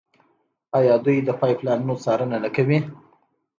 آیا دوی د پایپ لاینونو څارنه نه کوي؟